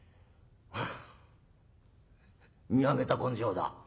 フッ見上げた根性だ。